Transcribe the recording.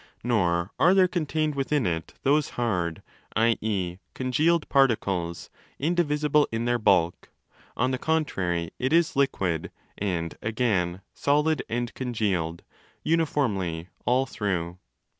* Nor are there contained within it those 'hard' (i.e. congealed) particles 'indivisible in their bulk': on the contrary, it is liquid—and again, solid and congealed—uniformly all through.